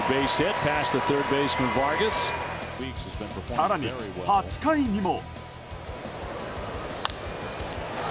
更に８回にも。